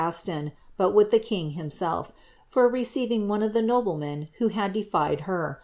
Uton, but with the kin^ himself, for receiving one of the noblemen who had defied her.